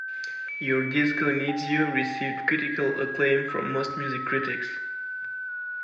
"Your Disco Needs You" received critical acclaim from most music critics.